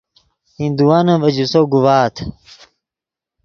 ہندوانے ڤے جوسو گوڤآت